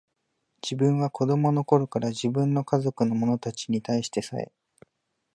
自分は子供の頃から、自分の家族の者たちに対してさえ、